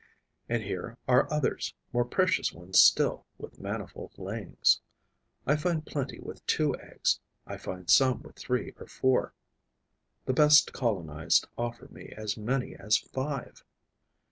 And here are others, more precious ones still, with manifold layings. I find plenty with two eggs; I find some with three or four; the best colonised offer me as many as five.